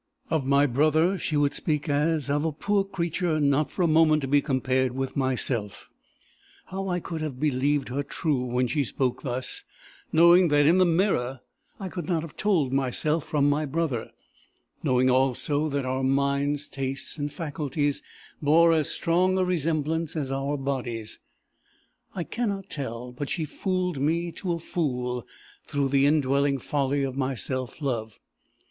"Of my brother she would speak as of a poor creature not for a moment to be compared with myself. How I could have believed her true when she spoke thus, knowing that in the mirror I could not have told myself from my brother, knowing also that our minds, tastes, and faculties bore as strong a resemblance as our bodies, I cannot tell, but she fooled me to a fool through the indwelling folly of my self love.